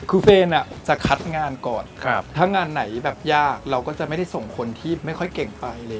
คือเฟรนจะคัดงานก่อนถ้างานไหนแบบยากเราก็จะไม่ได้ส่งคนที่ไม่ค่อยเก่งไป